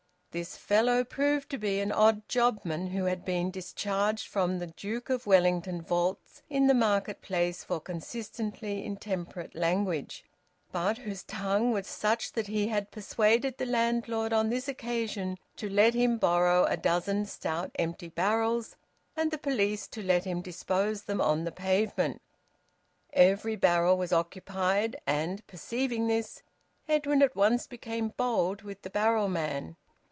This fellow proved to be an odd jobman who had been discharged from the Duke of Wellington Vaults in the market place for consistently intemperate language, but whose tongue was such that he had persuaded the landlord on this occasion to let him borrow a dozen stout empty barrels, and the police to let him dispose them on the pavement. Every barrel was occupied, and, perceiving this, Edwin at once became bold with the barrel man.